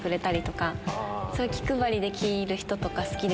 そういう気配りできる人とか好きですね。